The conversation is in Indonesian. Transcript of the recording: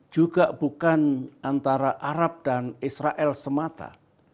juga bukan antara arab dan israel semata